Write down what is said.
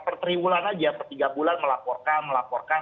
per tiga bulan aja per tiga bulan melaporkan melaporkan